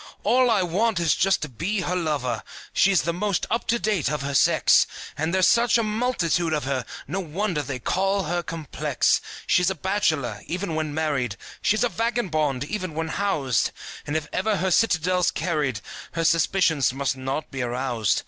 All I want is to just be her lover! She's the most up to date of her sex, And there's such a multitude of her, No wonder they call her complex. She's a bachelor, even when married, She's a vagabond, even when housed; And if ever her citadel's carried Her suspicions must not be aroused.